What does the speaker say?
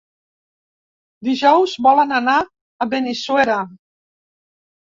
Dijous volen anar a Benissuera.